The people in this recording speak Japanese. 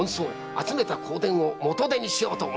集めた香典を元手にしようと。